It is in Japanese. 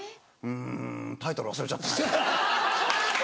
んタイトル忘れちゃったね。